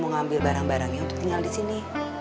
mau ngambil barang barangnya untuk tinggal di sini